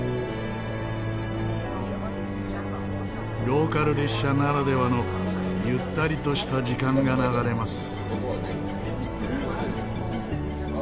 ローカル列車ならではのゆったりとした時間が流れます。